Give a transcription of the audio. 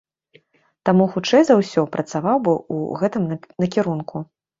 Таму, хутчэй за ўсё, працаваў бы ў гэтым накірунку.